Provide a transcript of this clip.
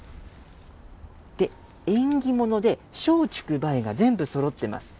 縁起物で、松竹梅が全部そろってます。